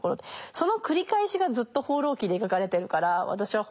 その繰り返しがずっと「放浪記」に描かれてるから私は「放浪記」